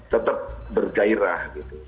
tetap bergairah gitu